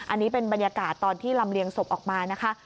อันนี้เป็นบรรยากาศตอนที่ลำเลียงศพออกมานะคะ